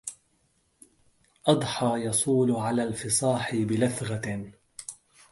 أضحى يصول على الفصاح بلثغة